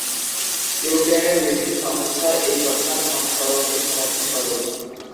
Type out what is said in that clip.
ইউক্রেনের বিবিসি সংস্থা এই ঘটনার সংস্করণকে সমর্থন করে।